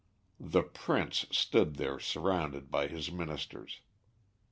The Prince stood there surrounded by his ministers.